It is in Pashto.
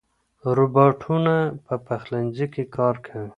روباټونه په پخلنځي کې کار کوي.